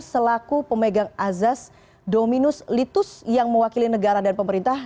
selaku pemegang azas dominus litus yang mewakili negara dan pemerintah